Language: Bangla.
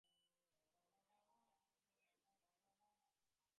ও যে আমার বহুকালের ব্রহ্মত্র।